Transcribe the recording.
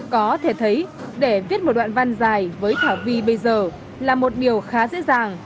có thể thấy để viết một đoạn văn dài với khả vi bây giờ là một điều khá dễ dàng